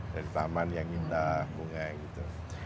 dari taman yang indah bunga gitu